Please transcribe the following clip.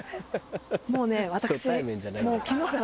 もうね私。